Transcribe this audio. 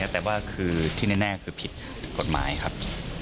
แต่ว่าคือที่แน่คือผิดกฎหมายครับ